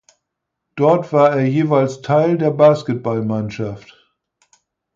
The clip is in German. Dort war er jeweils Teil der Basketballmannschaft.